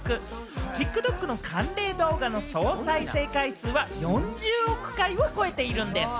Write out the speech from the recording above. ＴｉｋＴｏｋの関連動画の総再生回数は４０億回を超えているんです。